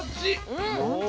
うん。